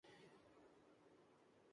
لکھنے سے پہلے کچھ تفصیلات کا پتہ کر لیں